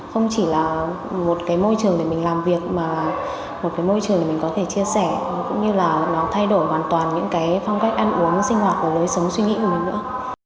không chỉ là một cái môi trường để mình làm việc mà một cái môi trường mình có thể chia sẻ cũng như là nó thay đổi hoàn toàn những cái phong cách ăn uống sinh hoạt và lối sống suy nghĩ của mình nữa